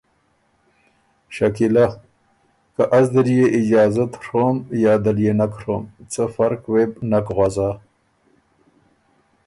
شکیلۀ: ”که از دل يې اجازت ڒوم یا دل يې نک ڒوم څۀ فرقه وې بو نک غؤزا